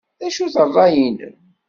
D acu-t ṛṛay-nnem?